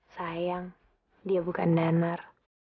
sayang dia bukan danar